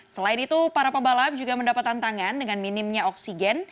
selain itu para pebalap juga mendapat tantangan dengan minimnya oksigen